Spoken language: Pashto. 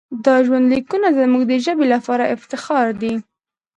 دا ژوندلیکونه زموږ د ژبې لپاره افتخار دی.